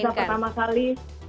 resa pertama kali